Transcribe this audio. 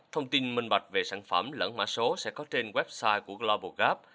thông tin minh bạch về sản phẩm lẫn mã số sẽ có trên website của global gap